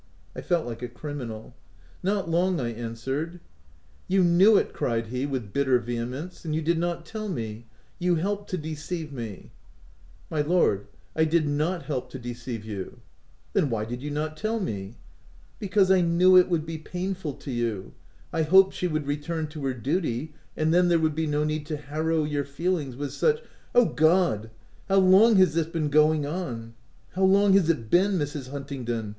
I felt like a criminal. " Not long," I answered. OF WILDFELL HALL. j "You knew it !" cried he with bitter vehe mence—" and you did not tell me ! You helped to deceive me !"" My lord, I did not help to deceive you. r " Then why did you not tell me ?''" Because, I knew it would be painful to you — I hoped she would return to her duty, and then there would be no need to harrow your feelings with such " (i O God ! how long has this been going on ? how long has it been, Mrs. Huntingdon